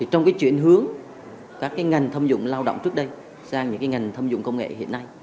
trong chuyển hướng các ngành thâm dụng lao động trước đây sang những ngành thâm dụng công nghệ hiện nay